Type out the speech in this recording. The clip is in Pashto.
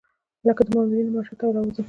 لکه د مامورینو معاشات او لوازم.